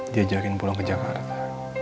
diajakin pulang ke jakarta